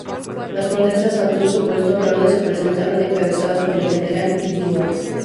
Las protestas ante un supuesto fraude se presentaron, encabezadas por el general Ydígoras.